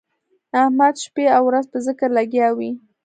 احمد شپه او ورځ په ذکر لګیا وي.